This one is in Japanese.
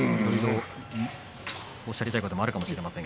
おっしゃりたいこともあるかもしれません。